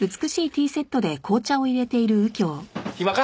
暇か？